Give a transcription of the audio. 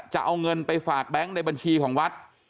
จะเอาเงินไปฝากแบงค์ในบัญชีของวัด